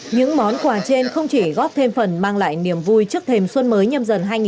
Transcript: những món quà trên không chỉ góp thêm phần mang lại niềm vui trước thềm xuân mới nhâm dần hai nghìn hai mươi